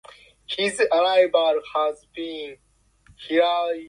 Six primitive camp grounds are distributed around the area.